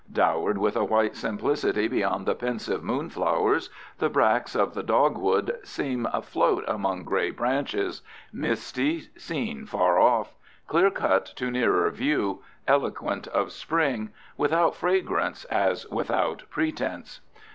Dowered with a white simplicity beyond the pensive moonflower's, the bracts of the dogwood seem afloat among gray branches—misty, seen far off; clear cut to nearer view; eloquent of spring; without fragrance as without pretense.